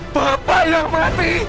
bapak yang mati